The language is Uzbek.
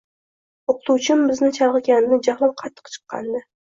O`qituvchim bizni chalg`itganidan jahlim qattiq chiqqandi